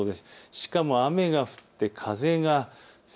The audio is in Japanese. しかも雨が降っています。